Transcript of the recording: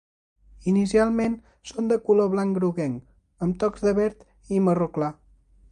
Inicialment són de color blanc groguenc, amb tocs de verd i marró clar.